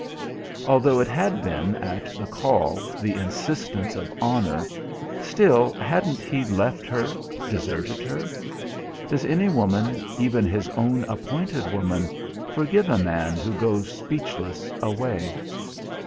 Although it had been at the call, the insistence of honour, still hadn't he left her deserted her? Does any woman, even his own appointed woman, forgive a man who goes speechless away?